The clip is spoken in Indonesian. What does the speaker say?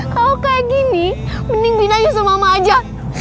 kalau kayak gini mending vina yusul mama aja